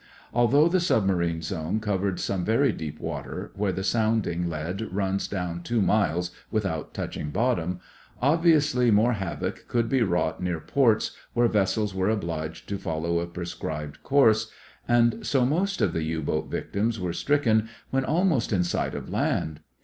Although the submarine zone covered some very deep water, where the sounding lead runs down two miles without touching bottom, obviously more havoc could be wrought near ports where vessels were obliged to follow a prescribed course, and so most of the U boat victims were stricken when almost in sight of land.